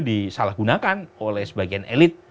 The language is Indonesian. disalahgunakan oleh sebagian elit